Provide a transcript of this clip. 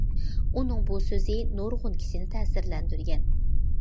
ئۇنىڭ بۇ سۆزى نۇرغۇن كىشىنى تەسىرلەندۈرگەن.